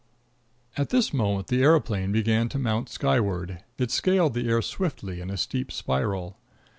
At this moment the aeroplane began to mount skyward. It scaled the air swiftly in a steep spiral.